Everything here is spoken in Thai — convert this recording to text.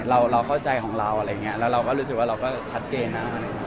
เราเข้าใจของเราแล้วเราก็รู้สึกว่าเราก็ชัดเจนนะ